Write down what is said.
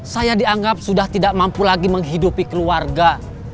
saya dianggap sudah tidak mampu lagi menghidupi keluarga